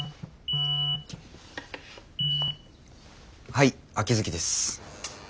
はい秋月です。